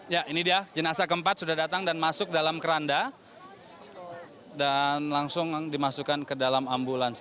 ya ini dia jenazah keempat sudah datang dan masuk dalam keranda dan langsung dimasukkan ke dalam ambulansi